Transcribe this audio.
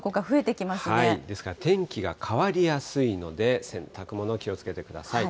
ですから、天気が変わりやすいので、洗濯物、気をつけてください。